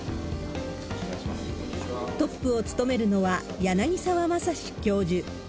トップを務めるのは、柳沢正史教授。